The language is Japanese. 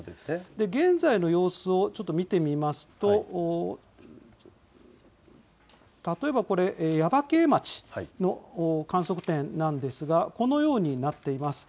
現在の様子を見てみると例えば耶馬溪町の観測点なんですが、このようになっています。